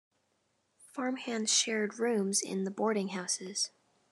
Farmhands shared rooms in the boarding houses.